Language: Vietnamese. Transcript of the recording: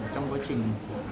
trong quá trình